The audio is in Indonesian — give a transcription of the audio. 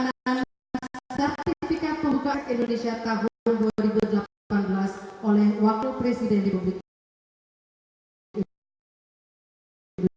sertifikat pembangunan indonesia tahun dua ribu delapan belas oleh wakil presiden diputus